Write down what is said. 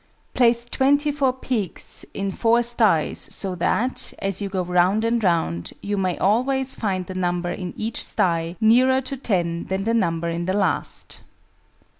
_ Place twenty four pigs in four sties so that, as you go round and round, you may always find the number in each sty nearer to ten than the number in the last.